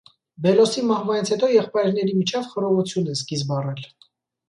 Բելոսի մահվանից հետո եղբայրների միջև խռովություն է սկիզբ առել։